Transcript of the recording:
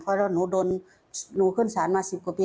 เพราะหนูโดนหนูขึ้นศาลมา๑๐กว่าปี